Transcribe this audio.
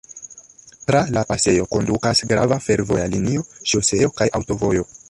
Tra la pasejo kondukas grava fervoja linio, ŝoseo kaj aŭtovojo.